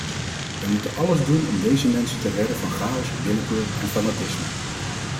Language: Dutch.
Wij moeten alles doen om deze mensen te redden van chaos, willekeur en fanatisme.